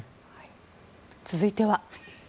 続いては。